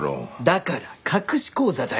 だから隠し口座だよ。